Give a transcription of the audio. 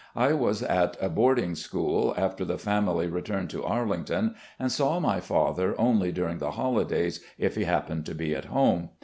I was at a boarding school, after the family returned to Arling ton, and saw my father only during the holidays, if he happened to be at home.